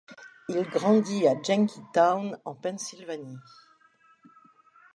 Il grandit à Jenkintown, en Pennsylvanie.